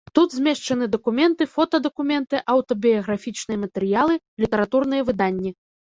Тут змешчаны дакументы, фотадакументы, аўтабіяграфічныя матэрыялы, літаратурныя выданні.